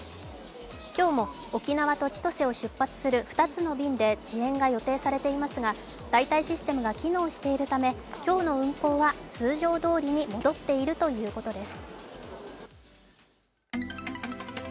今日も沖縄と千歳を出発する２つの便で遅延が予定されていますが、代替システムが機能しているため今日の運航は通常どおりに戻っているということです。